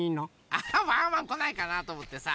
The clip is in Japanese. アハッ！ワンワンこないかなとおもってさ